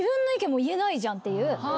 もう言えないじゃんっていう。